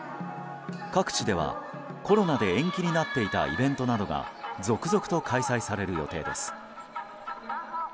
各地ではコロナで延期になっていたイベントなどが続々と開催される予定です。